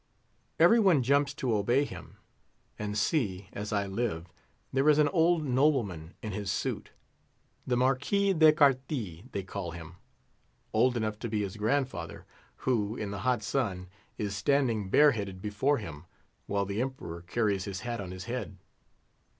Every one jumps to obey him; and see, as I live, there is an old nobleman in his suit—the Marquis d'Acarty they call him, old enough to be his grandfather—who, in the hot sun, is standing bareheaded before him, while the Emperor carries his hat on his head.